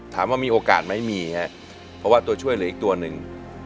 ถามว่ามีโอกาสไหมมีครับเพราะว่าตัวช่วยเหลืออีกตัวหนึ่ง